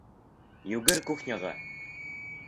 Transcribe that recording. Йүгер кухняға!